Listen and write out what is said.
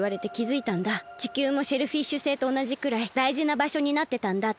地球もシェルフィッシュ星とおなじくらいだいじなばしょになってたんだって。